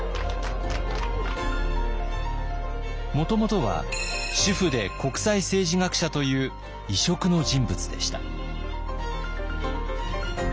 もともとは主婦で国際政治学者という異色の人物でした。